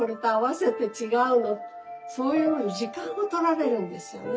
そういうのに時間を取られるんですよね。